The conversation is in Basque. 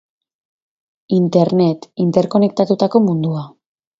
Internet: interkonektatutako mundua.